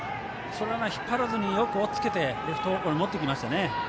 それを引っ張らずにおっつけてレフト方向に持ってきました。